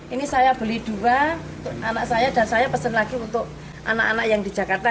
ini saya beli dua anak saya dan saya pesan lagi untuk anak anak yang di jakarta